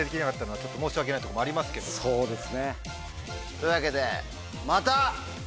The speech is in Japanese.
そうですね。というわけで。